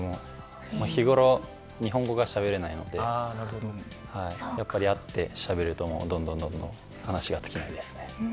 日頃、日本語がしゃべれないのでやっぱり会ってしゃべるとどんどんどんどん話が尽きないですね。